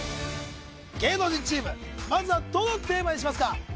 芸能人チームまずはどのテーマにしますか？